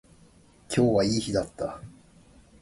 今日はいい日だった